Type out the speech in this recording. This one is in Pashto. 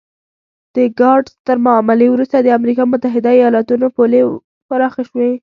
د ګاډسن تر معاملې وروسته د امریکا متحده ایالتونو پولې پراخې شوې.